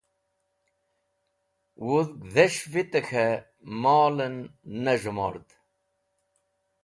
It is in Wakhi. Wudhg dhis̃h vitẽ k̃hẽ molen ne z̃hemord.